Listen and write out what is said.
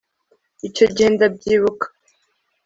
Icyo gihe ndabyibuka